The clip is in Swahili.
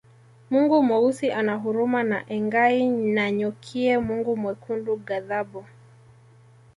Mungu Mweusi ana huruma na Engai Nanyokie Mungu Mwekundu ghadhabu